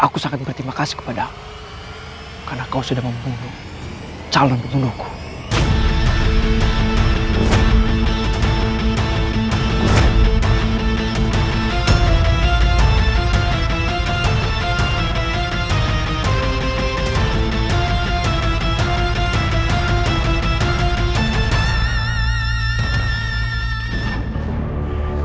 karena kau sudah membunuh calon penundukku